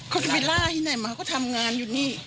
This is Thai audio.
เขาจะไปล่าที่ไหนมาก็ทำงานอยู่นี่